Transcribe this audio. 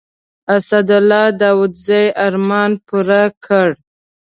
اسدالله داودزي ارمان پوره کړ.